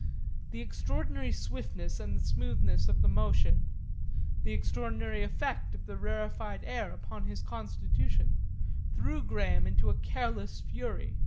The extraordinary swiftness and smoothness of the motion, the extraordinary effect of the rarefied air upon his constitution, threw Graham into a careless fury.